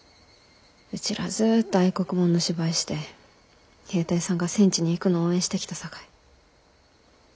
うちらずっと愛国もんの芝居して兵隊さんが戦地に行くの応援してきたさかい。